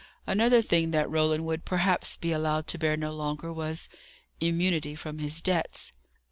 Another thing that Roland would perhaps be allowed to bear no longer was immunity from his debts.